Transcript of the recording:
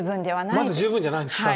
まだ十分じゃないんですか